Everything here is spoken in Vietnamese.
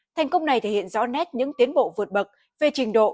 thành công này thể hiện rõ nét những tiến bộ vượt bậc về trình độ